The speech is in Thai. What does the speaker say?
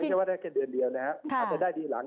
แค่ว่าได้แค่เดือนเดียวนะครับอาจจะได้ทีหลัง